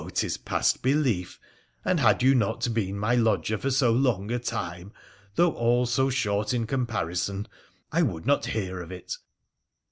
'tis past belief, and had you not been my lodger for so long a time, though all so short in comparison, I would not hear of it.'